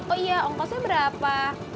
oh iya ongkosnya berapa